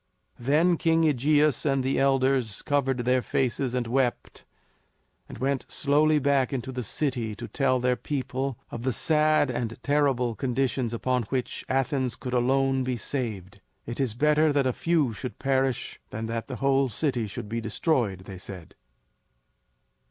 Then King AEgeus and the elders covered their faces and wept and went slowly back into the city to tell their people of the sad and terrible conditions upon which Athens could alone be saved. "It is better that a few should perish than that the whole city should be destroyed," they said.